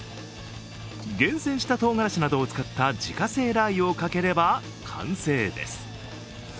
厳選したとうがらしなどを使った自家製ラー油をかければ完成です。